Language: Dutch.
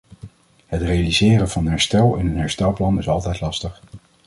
Het realiseren van herstel in een herstelplan is altijd lastig.